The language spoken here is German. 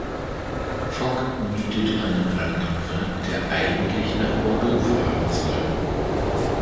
Fogg mietet einen Raddampfer, der eigentlich nach Bordeaux fahren soll.